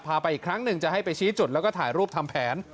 ไปอีกครั้งหนึ่งจะให้ไปชี้จุดแล้วก็ถ่ายรูปทำแผน